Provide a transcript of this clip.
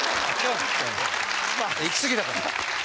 いきすぎだから。